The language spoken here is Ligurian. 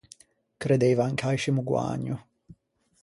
Creddeivan ch’aiscimo guägno.